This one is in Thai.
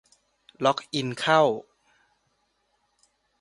ล็อกอินเข้า